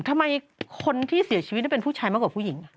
ทำไมคนที่เสียชีวิตเป็นผู้ชายมากกว่าผู้หญิง